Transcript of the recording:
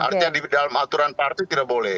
artinya di dalam aturan partai tidak boleh